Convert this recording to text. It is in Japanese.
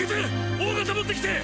Ｏ型持ってきて！